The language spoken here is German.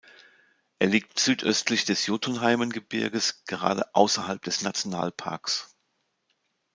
Er liegt südöstlich des Jotunheimen-Gebirges, gerade außerhalb des Nationalparks.